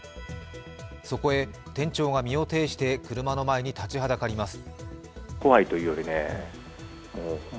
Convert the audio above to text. そこへ店長が身を挺して車の前に立ちはだかります。